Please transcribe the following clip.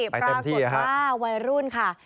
ปรากฏว่าวัยรุ่นค่ะ